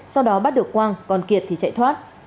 sau đó bắt được quang còn kiệt thì chạy thoát